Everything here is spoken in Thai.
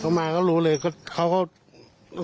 เขามาก็รู้เลยเขาก็